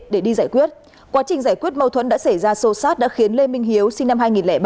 để đi giải quyết quá trình giải quyết mâu thuẫn đã xảy ra xô xát đã khiến lê minh hiếu sinh năm hai nghìn ba